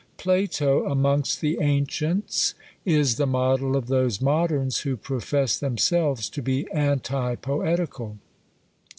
Plato, amongst the ancients, is the model of those moderns who profess themselves to be ANTI POETICAL.